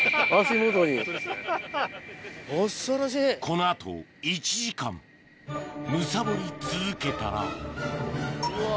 この後１時間むさぼり続けたらうわ。